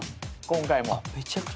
今回も。